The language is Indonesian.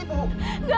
ibu ada di rumah